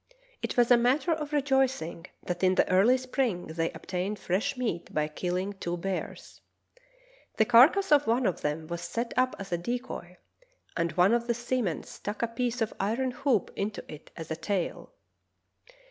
It was a matter of rejoicing that in the early spring they obtained fresh meat by killing two bears. The carcass of one of them was set up as a deco}^, and one of the seamen stuck a The Retreat of Ross from the Victory 51 piece of iron hoop into it as a tail.